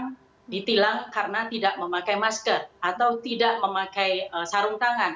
yang ditilang karena tidak memakai masker atau tidak memakai sarung tangan